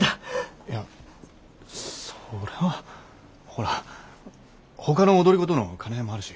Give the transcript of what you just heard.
いやそれはほらほかの踊り子との兼ね合いもあるし。